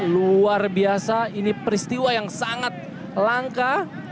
luar biasa ini peristiwa yang sangat langka